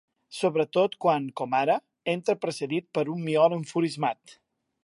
Sobretot quan, com ara, entra precedit per un miol enfurismat.